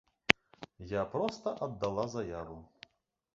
Я проста аддала заяву.